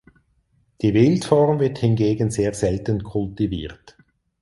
Die Wildform wird hingegen sehr selten kultiviert.